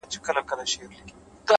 مه وايه دا چي اور وړي خوله كي.